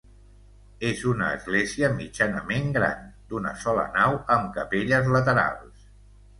És una església mitjanament gran, d'una sola nau amb capelles laterals.